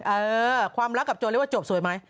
เออความรักกับโจรเรียกว่าจบสวยไหม